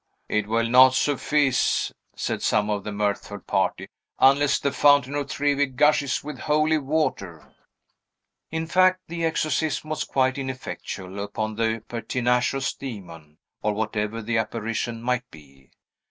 "It will not suffice," said some of the mirthful party, "unless the Fountain of Trevi gushes with holy water." In fact, the exorcism was quite ineffectual upon the pertinacious demon, or whatever the apparition might be.